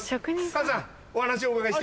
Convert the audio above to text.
菅さんお話をお伺いして。